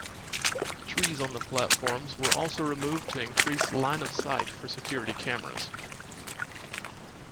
Trees on the platforms were also removed to increase line-of-sight for security cameras.